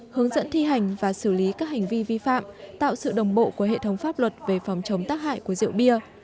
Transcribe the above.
hướng dẫn thi hành và xử lý các hành vi vi phạm tạo sự đồng bộ của hệ thống pháp luật về phòng chống tác hại của rượu bia